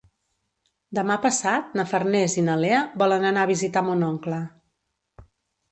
Demà passat na Farners i na Lea volen anar a visitar mon oncle.